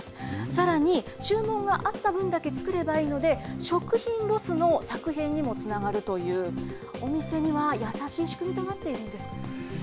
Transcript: さらに、注文があった分だけ作ればいいので、食品ロスの削減にもつながるという、お店には優しい仕組みとなっているんです。